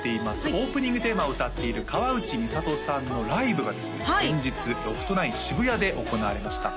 オープニングテーマを歌っている河内美里さんのライブがですね先日ＬＯＦＴ９Ｓｈｉｂｕｙａで行われました